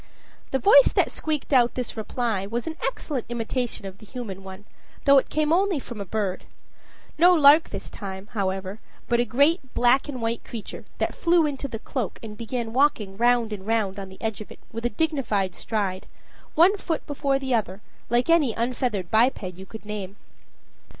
The voice that squeaked out this reply was an excellent imitation of the human one, though it came only from a bird. No lark this time, however, but a great black and white creature that flew into the cloak, and began walking round and round on the edge of it with a dignified stride, one foot before the other, like any unfeathered biped you could name.